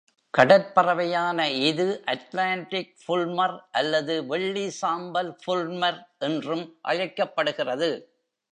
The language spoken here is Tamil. கடற்பறவையான இது அண்டார்டிக் ஃபுல்மர் அல்லது வெள்ளி-சாம்பல் ஃபுல்மர் என்றும் அழைக்கப்படுகிறது..